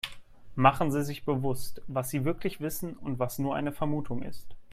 Machen Sie sich bewusst, was sie wirklich wissen und was nur eine Vermutung ist.